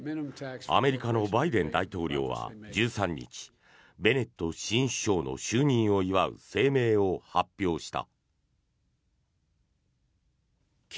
アメリカのバイデン大統領は１３日ベネット新首相の就任を祝う声明を発表した。